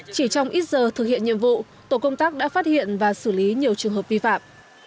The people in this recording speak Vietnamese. chỉ trong ít giờ thực hiện nhiệm vụ tổ công tác đã phát hiện và xử lý nhiều trường hợp vi phạm